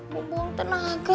gue buang tenaga